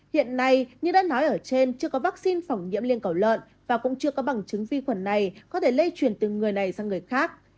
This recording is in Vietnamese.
hiện nay như đã nói ở trên chưa có vaccine phỏng nhiễm lên cổ lợn và cũng chưa có bằng chứng vi khuẩn này có thể lây chuyển từ người này sang người khác